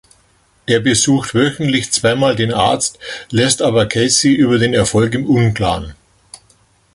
Er besucht wöchentlich zweimal den Arzt, lässt aber Cathy über den Erfolg im Unklaren.